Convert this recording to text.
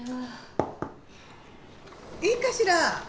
いいかしら？